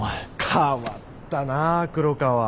変わったな黒川。